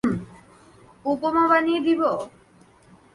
উপমা বানিয়ে দিবো?